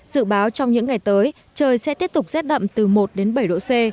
dự báo trong những ngày tới trời sẽ tiếp tục rét đậm từ một đến bảy độ c